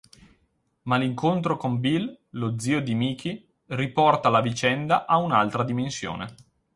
Ma l'incontro con Bill, lo zio di Miki, riporta la vicenda a un'altra dimensione.